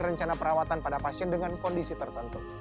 rencana perawatan pada pasien dengan kondisi tertentu